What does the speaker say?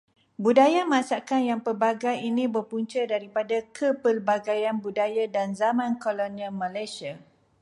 Budaya masakan yang pelbagai ini berpunca daripada kepelbagaian budaya dan zaman kolonial Malaysia.